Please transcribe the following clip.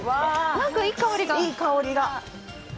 なんか、いい香りが。